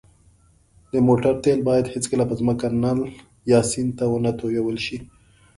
د موټر تېل باید هېڅکله په ځمکه، نل، یا سیند ته ونهتوېل ش